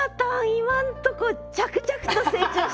今んとこ着々と成長してます。